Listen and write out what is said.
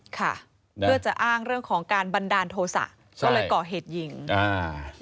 ค่ะเพื่อจะอ้างเรื่องของการบันดาลโทษะก็เลยก่อเหตุยิงอ่า